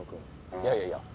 いやいやいや。